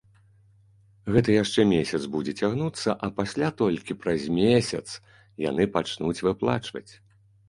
Гэта яшчэ месяц будзе цягнуцца, а пасля толькі праз месяц яны пачнуць выплачваць.